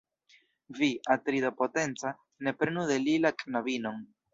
Vi, Atrido potenca, ne prenu de li la knabinon.